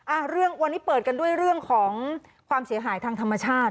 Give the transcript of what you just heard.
อ่ะเรื่องวันนี้เปิดกันด้วยเรื่องของความเสียหายทางธรรมชาติ